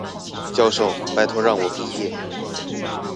教授，拜託讓我畢業。